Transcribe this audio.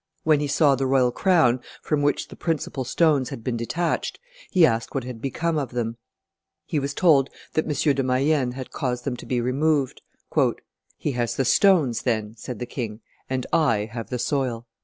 When he saw the royal crown, from which the principal stones had been detached, he asked what had become of them. He was told that M. de Mayehne had caused them to be removed. "He has the stones, then," said the king; "and I have the soil."